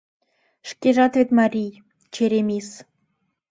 Шкежат вет марий, черемис.